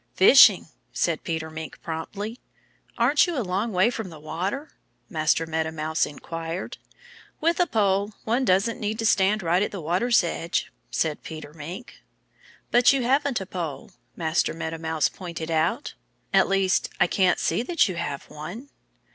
"Fishing!" said Peter Mink promptly. "Aren't you a long way from the water?" Master Meadow Mouse inquired. "With a pole, one doesn't need to stand right at the water's edge," said Peter Mink. "But you haven't a pole," Master Meadow Mouse pointed out. "At least, I can't see that you have one."